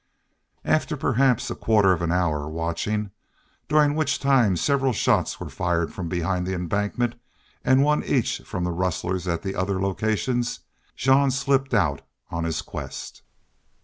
After perhaps a quarter of an hour watching, during which time several shots were fired from behind the embankment and one each from the rustlers at the other locations, Jean slipped out on his quest.